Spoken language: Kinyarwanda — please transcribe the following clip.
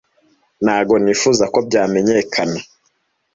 Ntabwo nifuza ko byamenyekana.